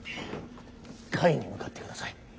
甲斐に向かってください。